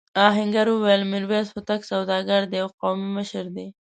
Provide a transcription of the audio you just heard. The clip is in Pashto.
آهنګر وویل میرويس هوتک سوداګر دی او قومي مشر دی.